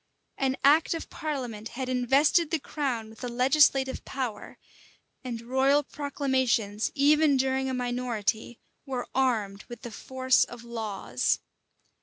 An act of parliament had invested the crown with a legislative power; and royal proclamations, even during a minority, were armed with the force of laws.